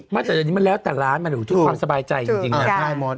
บ้างจากวันนี้มันแล้วแต่ร้านมันถึงความสบายใจจริงนะ